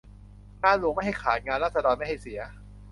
งานหลวงไม่ให้ขาด งานราษฎร์ไม่ให้เสีย